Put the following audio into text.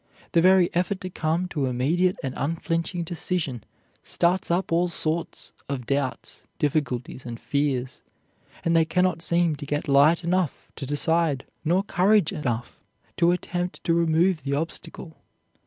The very effort to come to immediate and unflinching decision starts up all sorts of doubts, difficulties, and fears, and they can not seem to get light enough to decide nor courage enough to attempt to remove the obstacle.